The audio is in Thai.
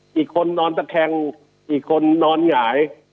อีกคนนอนตะแคงอีกคนนอนหงาย